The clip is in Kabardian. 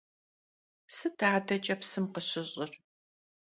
Sıt adeç'e psım khışış'ır?